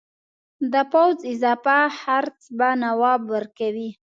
د پوځ اضافه خرڅ به نواب ورکوي.